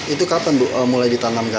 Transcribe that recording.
itu kapan mulai ditanamkan